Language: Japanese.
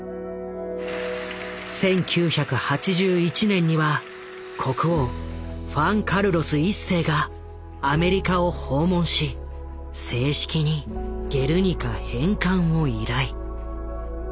１９８１年には国王フアン・カルロス１世がアメリカを訪問し正式に「ゲルニカ」返還を依頼。